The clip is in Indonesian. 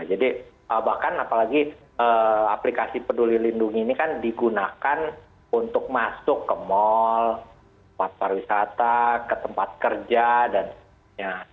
jadi bahkan apalagi aplikasi peduli lindungi ini kan digunakan untuk masuk ke mal pasar wisata ke tempat kerja dan sebagainya